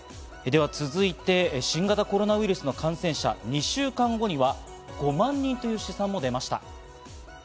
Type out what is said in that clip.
では続いて新型コロナウイルスの感染者、２週間後には５万人という試算も出ました。